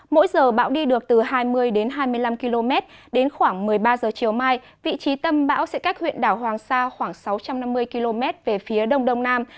mỗi giờ bão đi được từ hai mươi đến hai mươi năm km đến khoảng một mươi ba h chiều mai vị trí tâm bão sẽ cách huyện đảo hoàng sa khoảng sáu trăm năm mươi km về phía đông đông nam